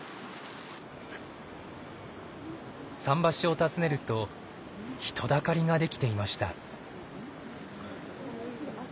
桟橋を訪ねると人だかりができていました。